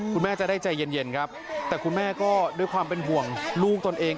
คุณแม่จะได้ใจเย็นครับแต่คุณแม่ก็ด้วยความเป็นห่วงลูกตนเอง